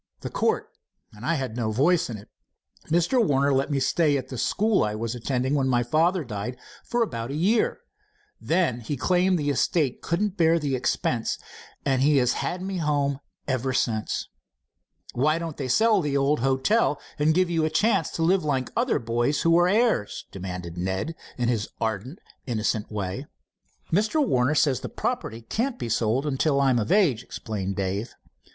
"The court, and I had no voice in it. Mr. Warner let me stay at the school I was attending when my father died, for about a year. Then he claimed the estate couldn't bear the expense, and he has had me home ever since." "Why don't they sell the old hotel, and give you a chance to live like other boys who are heirs?" demanded Ned, in his ardent, innocent way. "Mr. Warner says the property can't be sold till I am of age," explained Dave.